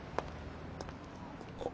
あっ。